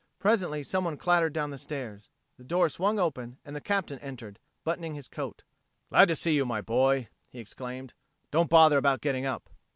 Presently someone clattered down the stairs. The door swung open and the Captain entered, buttoning his coat. "Glad to see you, my boy!" he exclaimed. "Don't bother about getting up.